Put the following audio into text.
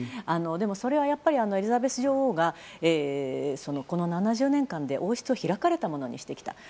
でも、それはやっぱりエリザベス女王がこの７０年間で王室を開かれたものにしてきた。